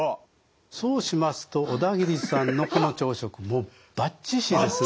そうしますと小田切さんのこの朝食もうバッチシです。